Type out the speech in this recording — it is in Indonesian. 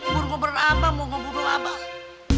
burung burung abang mau ngebunuh abang